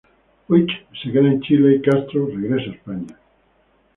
Puig se queda en Chile y Castro regreso a España.